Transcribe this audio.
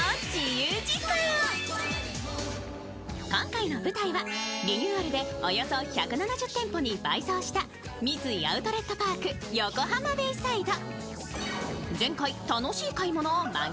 今回の舞台はリニューアルでおよそ１７０店舗に倍増した三井アウトレットパーク横浜ベイサイド。